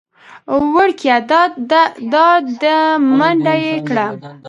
وېړکيه دا ده منډه يې کړه .